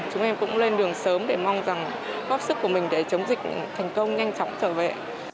chúng em cũng lên đường sớm để mong rằng góp sức của mình để chống dịch thành công nhanh chóng trở về